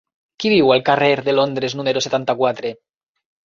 Qui viu al carrer de Londres número setanta-quatre?